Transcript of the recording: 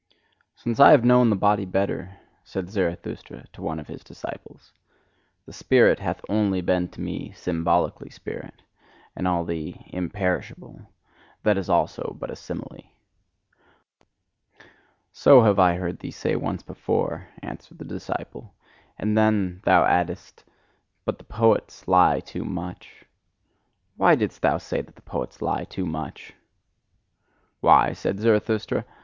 "Since I have known the body better" said Zarathustra to one of his disciples "the spirit hath only been to me symbolically spirit; and all the 'imperishable' that is also but a simile." "So have I heard thee say once before," answered the disciple, "and then thou addedst: 'But the poets lie too much.' Why didst thou say that the poets lie too much?" "Why?" said Zarathustra.